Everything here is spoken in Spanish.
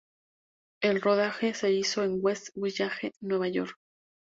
El rodaje se hizo en West Village, Nueva York.